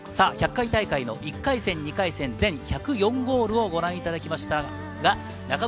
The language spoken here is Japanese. １００回大会の１回戦、２回戦、全１０４ゴールをご覧いただきました。